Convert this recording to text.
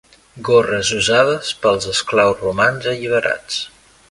Gorres usades pels esclaus romans alliberats.